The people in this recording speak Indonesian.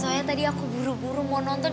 soalnya tadi aku buru buru mau nonton